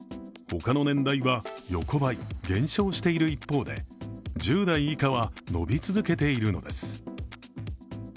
他の年代は横ばい、減少している一方で１０代以下は伸び続けているのです。